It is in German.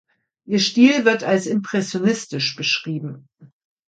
Ihr Stil wird als impressionistisch beschrieben.